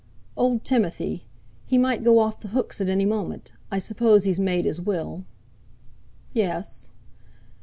"Old Timothy; he might go off the hooks at any moment. I suppose he's made his Will." "Yes."